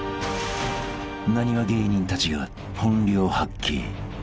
［なにわ芸人たちが本領発揮］